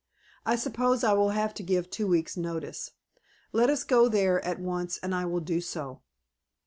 I suppose I will have to give two weeks' notice. Let us go there at once and I will do so."